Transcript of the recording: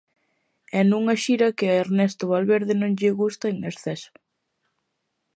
E nunha xira que a Ernesto Valverde non lle gusta en exceso.